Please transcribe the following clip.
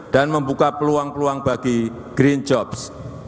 dan membuka peluang peluang bagi green jobs